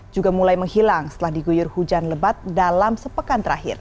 juga mulai menghilang setelah diguyur hujan lebat dalam sepekan terakhir